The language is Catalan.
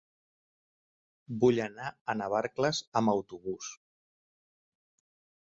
Vull anar a Navarcles amb autobús.